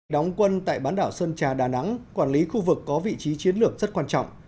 đóng quân tại bán đảo sơn trà đà nẵng quản lý khu vực có vị trí chiến lược rất quan trọng